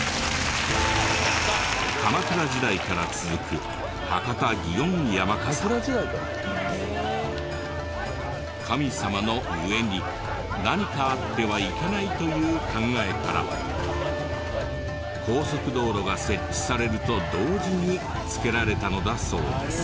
鎌倉時代から続く神様の上に何かあってはいけないという考えから高速道路が設置されると同時につけられたのだそうです。